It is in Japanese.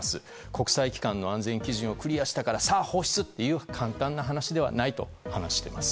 国際機関の安全基準をクリアしたから、さあ放出という簡単な話ではないと話しています。